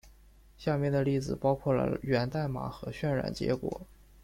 下面的例子包括了源代码和渲染结果。